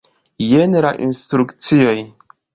Jen la instrukcioj.